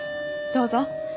どうぞ。